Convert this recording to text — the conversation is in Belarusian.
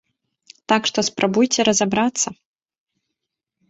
Так што спрабуйце разабрацца!